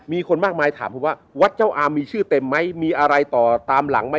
มีคนมากมายถามผมว่าวัดเจ้าอามมีชื่อเต็มไหมมีอะไรต่อตามหลังไหม